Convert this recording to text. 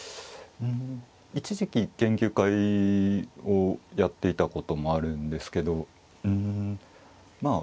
一時期研究会をやっていたこともあるんですけどうんまあ